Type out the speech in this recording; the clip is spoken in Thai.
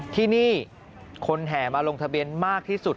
ที่นี่คนแห่มาลงทะเบียนมากที่สุด